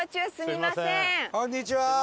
こんにちは！